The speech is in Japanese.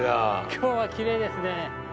今日はきれいですね。